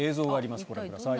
ご覧ください。